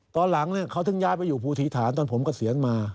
ตอนหลังเนี่ยเขาถึงย้ายไปอยู่ภูถีฐานตอนผมก็เสียงมา